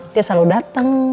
dia selalu dateng